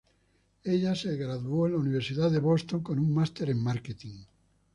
Ella se graduó en la universidad de Boston con un master de marketing.